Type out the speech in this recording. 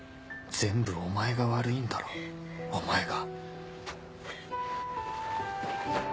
全部お前が悪いんだろお前が